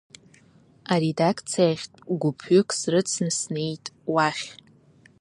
Аредакциахьтә гәыԥҩык срыцны снеит уахь.